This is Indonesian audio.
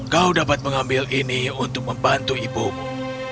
kau dapat mengambil ini untuk membantu ibumu